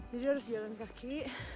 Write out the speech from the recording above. jadi harus jalan kaki